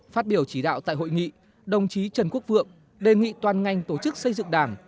phát biểu chỉ đạo tại hội nghị đồng chí trần quốc vượng đề nghị toàn ngành tổ chức xây dựng đảng